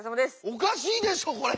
おかしいでしょこれ。